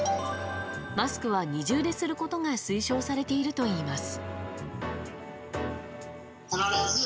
マスクは二重ですることが推奨されているといいます。